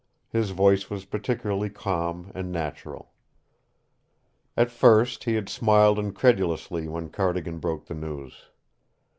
His voice was particularly calm and natural. At first he had smiled incredulously when Cardigan broke the news.